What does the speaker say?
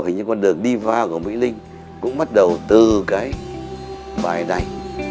hình như con đường đi vào của mỹ linh cũng bắt đầu từ cái bài này